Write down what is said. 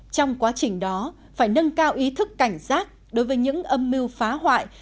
trong quá trình đó phải nâng cao ý thức cảnh giác đối với những âm mưu phá hoại